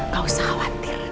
gak usah khawatir